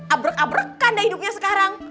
abrek abrekan dah hidupnya sekarang